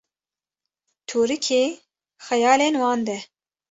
tûrikê xeyalên wan de